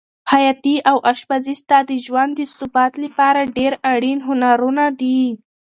خیاطي او اشپزي ستا د ژوند د ثبات لپاره ډېر اړین هنرونه دي.